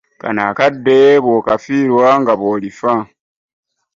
Kano akaseera bw'okafiirwa nga bw'olifa.